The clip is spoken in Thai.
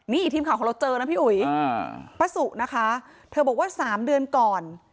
นี่ทีมข่าวของเราเจอนะพี่อุ๋ยป้าสุนะคะเธอบอกว่า๓เดือนก่อน